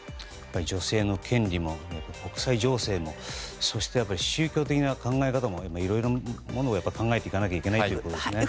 女性の権利も国際情勢もそして宗教的な考え方もいろいろなことを考えていかなきゃいけないということですね。